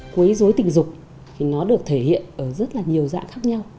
quấy dối tình dục thì nó được thể hiện ở rất là nhiều dạng khác nhau